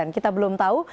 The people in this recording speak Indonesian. kita belum tahu